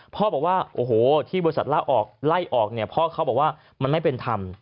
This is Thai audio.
พ่อบอกว่าโอ้โฮที่บริษัทร่าคไล่ออกเพราะว่ามันไม่เป็นธรรม